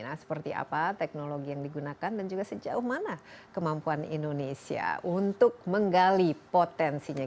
nah seperti apa teknologi yang digunakan dan juga sejauh mana kemampuan indonesia untuk menggali potensinya